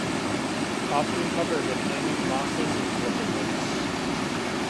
Often covered in hanging mosses and liverworts.